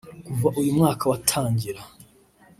Kuva uyu mwaka watangira